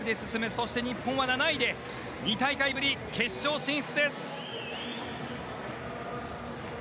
そして日本は７位で２大会ぶり決勝進出です。